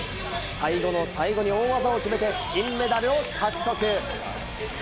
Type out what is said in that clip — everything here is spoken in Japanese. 最後の最後に大技を決めて金メダルを獲得。